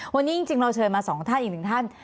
วันนี้จริงเราเชิญมา๒ท่านอีกหนึ่งท่าน